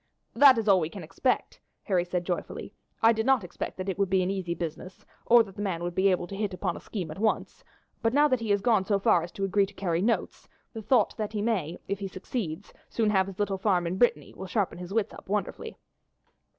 "That is all we can expect," Harry said joyfully. "I did not expect that it would be an easy business, or that the man would be able to hit upon a scheme at once; but now that he has gone so far as to agree to carry notes, the thought that he may, if he succeeds, soon have his little farm in Brittany, will sharpen his wits up wonderfully."